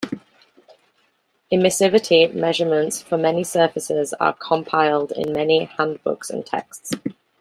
Emissivity measurements for many surfaces are compiled in many handbooks and texts.